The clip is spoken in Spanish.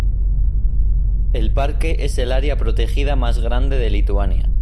El parque es el área protegida más grande de Lituania.